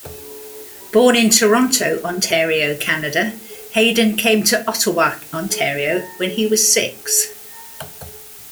Born in Toronto, Ontario, Canada, Haydon came to Ottawa, Ontario when he was six.